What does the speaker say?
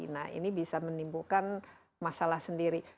nah ini bisa menimbulkan masalah sendiri